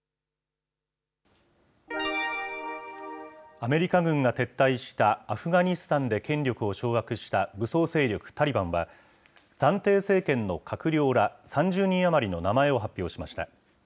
アメリカ軍が撤退したアフガニスタンで権力を掌握した武装勢力タリバンは、暫定政権の閣僚ら、３０人余りの名前を発表しました。